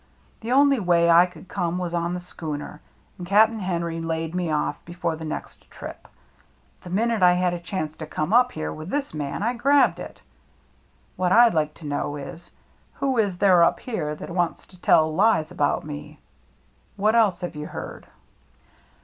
The only way I could come was on the schooner, and Cap'n Henry laid me off before the next trip. The minute I had a chance to come up here with this man, I grabbed it. What I'd like to know is, who is there up here that wants to tell lies about me ? What else have you heard